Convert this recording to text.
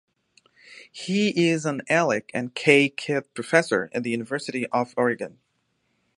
He is an Alec and Kay Keith Professor at the University of Oregon.